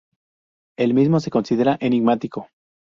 El mismo se considera enigmático.